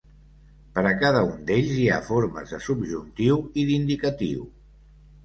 Per a cada un d'ells hi ha formes de subjuntiu i d'indicatiu.